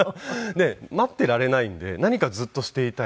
で待っていられないんで何かずっとしていたい。